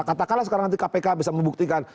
katakanlah sekarang nanti kpk bisa membuktikan